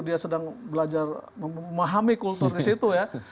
dia sedang belajar memahami kultur disitu ya